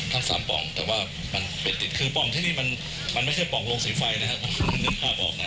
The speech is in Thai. ทั้ง๓ปล่องแต่ว่ามันเป็นติดคือปล่องที่นี่มันมันไม่ใช่ปล่องโรงสีไฟนะครับ